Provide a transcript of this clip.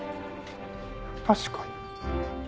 確かに。